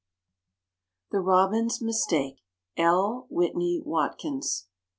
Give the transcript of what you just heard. THE ROBIN'S MISTAKE. L. WHITNEY WATKINS.